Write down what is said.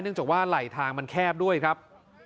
จากว่าไหลทางมันแคบด้วยครับ